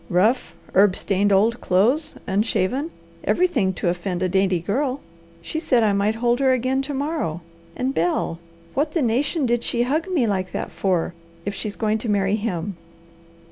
Rough, herb stained old clothes, unshaven, everything to offend a dainty girl. She said I might hold her again to morrow. And, Bel, what the nation did she hug me like that for, if she's going to marry him?